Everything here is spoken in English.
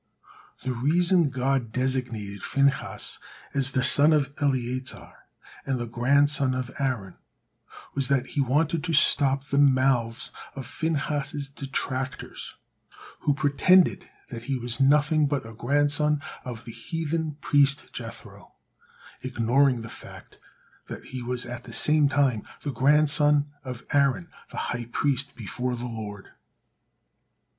The reason God designated Phinehas as the son of Eleazar and the grandson of Aaron was that He wanted to stop the mouths of Phinehas's detractors, who pretended that he was nothing but a grandson of the heathen priest Jethro, ignoring the fact that he was at the same time the grandson of Aaron, the high priest before the Lord.